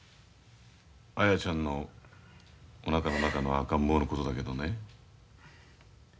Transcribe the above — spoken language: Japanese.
綾ちゃんのおなかの中の赤ん坊のことだけどね。